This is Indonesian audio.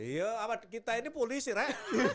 iya kita ini polisi rek